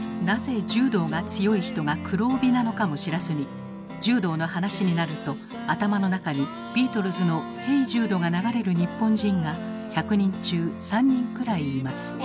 なぜ柔道が強い人が黒帯なのかも知らずに柔道の話になると頭の中にビートルズの「ヘイ・ジュード」が流れる日本人が１００人中３人くらいいます。